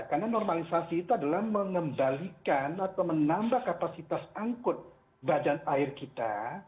karena normalisasi itu adalah mengembalikan atau menambah kapasitas angkut badan air kita